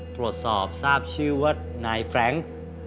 ตรวจสอบทราบชื่อว่านายแฟรงค์